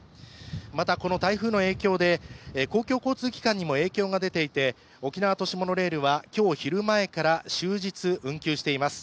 また、この台風の影響で公共交通機関にも影響が出ていて、沖縄都市モノレールは今日昼前から終日運休しています。